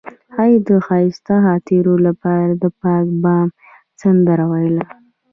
هغې د ښایسته خاطرو لپاره د پاک بام سندره ویله.